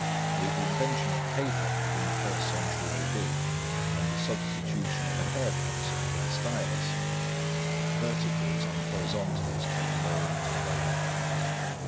With the invention of paper in the first century A.D., and the substitution of a hair pencil for the stylus, verticals and horizontals came more into vogue.